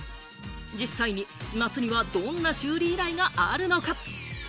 実際に夏にはどんな修理依頼があるのか？